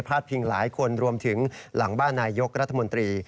พิงหลายคนรวมถึงหลังบ้านนายยกรัฐมนตรี